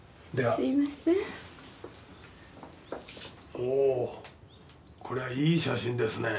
おおこれはいい写真ですね。